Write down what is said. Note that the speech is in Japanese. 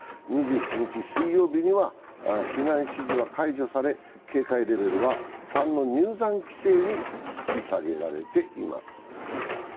２７日水曜日には、避難指示は解除され警戒レベルは３の、入山規制に引き下げられています。